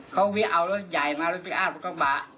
เขาเอารถใหญ่มารัฐพิธีอัตราพระก็มา